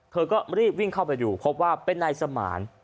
เธอก็รีบวิ่งเข้าไปดูพบว่าเป็นนายสมาน